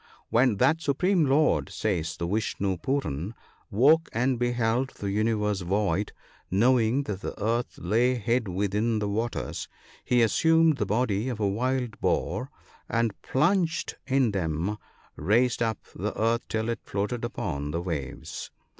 " When that supreme lord," says the Vishnoo Pooran, " woke and beheld the universe void, knowing that the earth lay hid within the waters, he assumed the body of a wild boar, and plunging in them raised up the earth till it floated upon the waves."